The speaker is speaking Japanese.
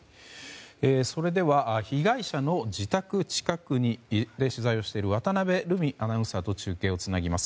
それでは被害者の自宅近くで取材をしている渡辺瑠海アナウンサーと中継をつなぎます。